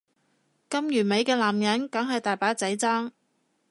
咁完美嘅男人梗係大把仔爭